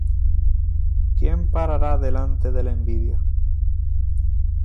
¿quién parará delante de la envidia?